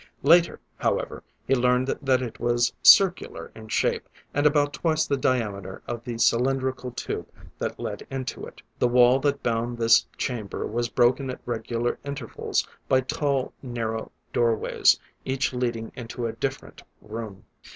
Later, however, he learned that it was circular in shape, and about twice the diameter of the cylindrical tube that led into it. The wall that bound this chamber was broken at regular intervals by tall, narrow, doorways, each leading into a different room.